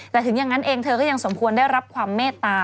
แต่ถึงอย่างนั้นเองเธอก็ยังสมควรได้รับความเมตตา